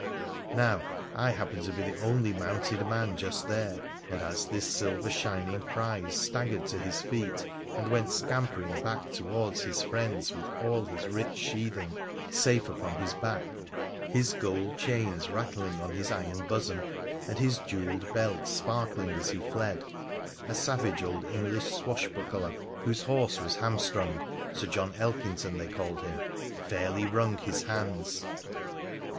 Now, I happened to be the only mounted man just there, and as this silver shining prize staggered to his feet, and went scampering back towards his friends with all his rich sheath ing safe upon his back, his gold chains rattling on his iron bosom, and his jewelled belt sparkling as he fled, a savage old English swashbuckler, whose horse was hamstrung — Sir John Elkington they called him — fairly wrung his hands.